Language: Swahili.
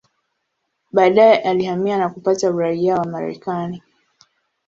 Baadaye alihamia na kupata uraia wa Marekani.